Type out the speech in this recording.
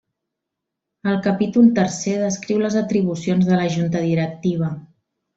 El capítol tercer descriu les atribucions de la Junta Directiva.